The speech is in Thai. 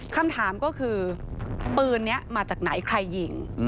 คำถามก็คือปืนนี้มาจากไหนใครยิง